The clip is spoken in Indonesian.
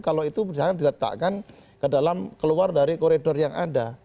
kalau itu misalkan diletakkan ke dalam keluar dari koridor yang ada